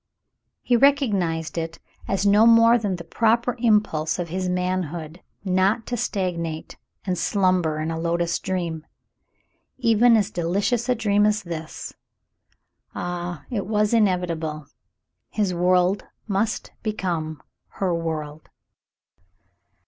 He recognized it as no more than the proper impulse of his manhood not to stagnate and slumber in a lotus dream, even as delicious a dream as this. Ah, it was inevitable. His world must become her world.